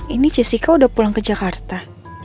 ini jessica udah pulang ke jakarta